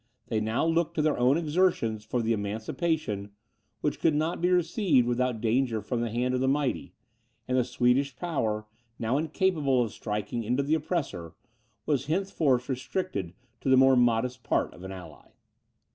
They now looked to their own exertions for the emancipation, which could not be received without danger from the hand of the mighty; and the Swedish power, now incapable of sinking into the oppressor, was henceforth restricted to the more modest part of an ally.